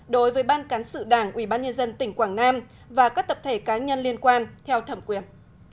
đối với ban cán sự đảng ubnd tỉnh quảng nam và các tập thể cá nhân liên quan theo thẩm quyền